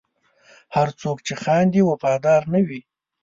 هر څوک چې خاندي، وفادار نه وي.